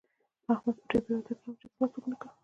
احمد په ډېره بېوزلۍ کې هم هيچا ته لاس اوږد نه کړ.